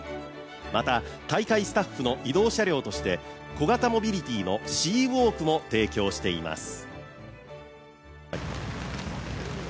また大会スタッフの移動車両として小型モビリティのＣ＋ｗａｌｋも提供しています。